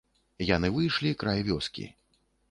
Яны выйшлі край вёскі.